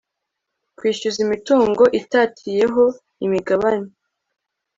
kwishyuza imitungo itatiyeho imigabane